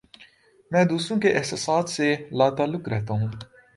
میں دوسروں کے احساسات سے لا تعلق رہتا ہوں